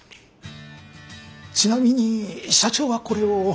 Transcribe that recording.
ちなみに社長はこれを？